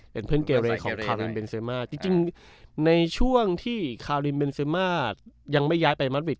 เป็นเพื่อนเกมของคารินเบนเซมาจริงในช่วงที่คารินเมนเซมายังไม่ย้ายไปมัดวิด